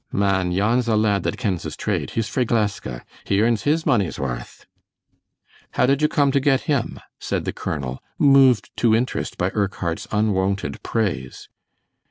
"Man, yon's a lad that kens his trade. He's frae Gleska. He earns his money's warth." "How did you come to get him?" said the colonel, moved to interest by Urquhart's unwonted praise.